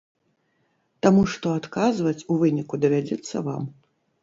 Таму што адказваць у выніку давядзецца вам.